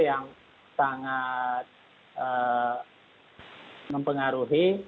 yang sangat mempengaruhi